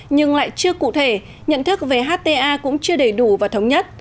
nhưng lại chưa cụ thể nhận thức về hta cũng chưa đầy đủ và thống nhất